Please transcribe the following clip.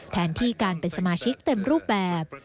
แทนที่การเป็นสมาชิกเต็มรูปแบบ